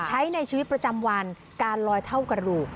ใช้ในชีวิตประจำวันการลอยเท่ากระดูก